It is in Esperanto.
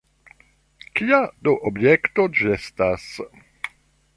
Kia do objekto ĝi estas?